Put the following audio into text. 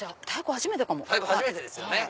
初めてですよね。